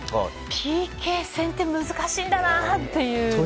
ＰＫ戦って難しいんだなっていう。